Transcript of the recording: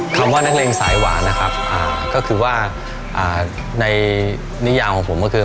คำว่านักเลงสายหวานนะครับก็คือว่าในนิยามของผมก็คือ